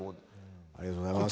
ありがとうございます。